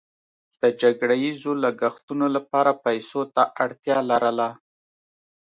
د جګړه ییزو لګښتونو لپاره پیسو ته اړتیا لرله.